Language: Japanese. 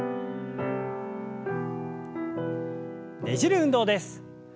ねじる運動です。